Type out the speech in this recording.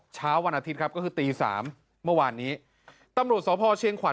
เช้าวันอาทิตย์ครับก็คือตีสามเมื่อวานนี้ตำรวจสพเชียงขวัญ